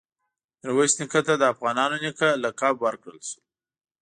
میرویس نیکه ته د “افغانانو نیکه” لقب ورکړل شو.